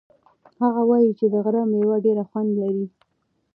هغه وایي چې د غره مېوې ډېر خوند لري.